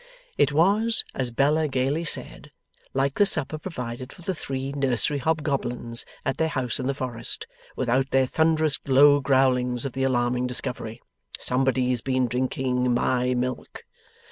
It was, as Bella gaily said, like the supper provided for the three nursery hobgoblins at their house in the forest, without their thunderous low growlings of the alarming discovery, 'Somebody's been drinking MY milk!